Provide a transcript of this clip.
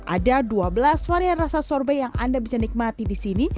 ada dua belas varian rasa sorbet yang anda bisa nikmati di sini